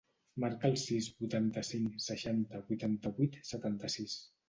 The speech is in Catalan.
Marca el sis, vuitanta-cinc, seixanta, vuitanta-vuit, setanta-sis.